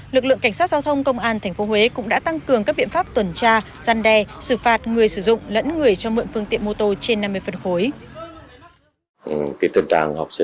lực lượng cảnh sát giao thông công an tp huế cũng đã tăng cường các biện pháp tuần tra gian đe xử phạt người sử dụng lẫn người cho mượn phương tiện mô tô trên năm mươi phân khối